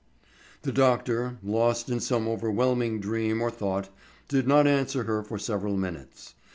The doctor, lost in some overwhelming dream or thought, did not answer her for several minutes.